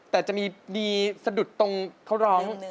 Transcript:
แต่จะมีดีสะดุดตรงเขาร้อง